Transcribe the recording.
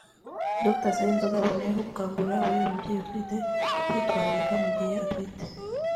Dr Sayinzoga yaboneyeho gukangurira buri mubyeyi utwite kwitwararika mu gihe atwite